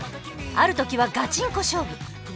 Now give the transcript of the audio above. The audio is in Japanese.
ある時はガチンコ勝負。